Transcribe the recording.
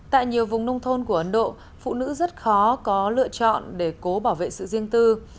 tại nhiều vùng nông thôn của ấn độ phụ nữ rất khó có lựa chọn để cố bảo vệ sự riêng tư